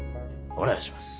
お願いします。